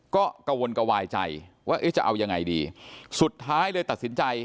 ก็กระวนกระวายใจว่าเอ๊ะจะเอายังไงดีสุดท้ายเลยตัดสินใจ